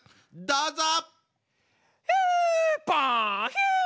どうぞ！